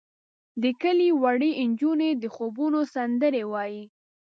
د کلي وړې نجونې د خوبونو سندرې وایې.